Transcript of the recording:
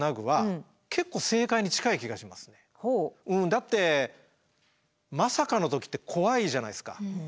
だってまさかの時って怖いじゃないですかねえ。